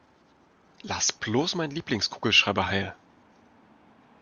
Lass bloß meinen Lieblingskugelschreiber heil!